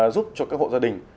giúp cho các hộ gia đình